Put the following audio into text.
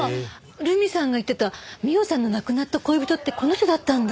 留美さんが言ってた美緒さんの亡くなった恋人ってこの人だったんだ。